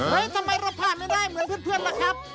ทำไมเราผ่านไม่ได้เหมือนเพื่อนล่ะครับ